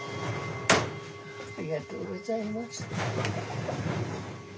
ありがとうございます。